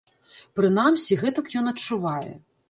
Прынамсі, гэтак ён адчувае.